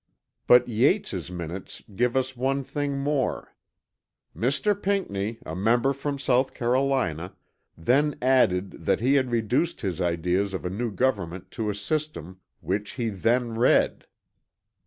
But Yates's Minutes give us one thing more: "Mr. Pinckney, a member from South Carolina, then added that he had reduced his ideas of a new government to a system, which he then read."